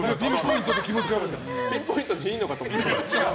ピンポイントでいいのかと思って。